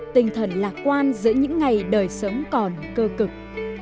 tinh thần lạc quan giữa những ngày đời sống còn cơ cực